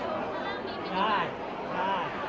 เพลงพี่หวาย